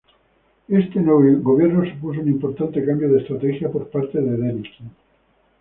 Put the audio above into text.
Este nuevo gobierno supuso un importante cambio de estrategia por parte de Denikin.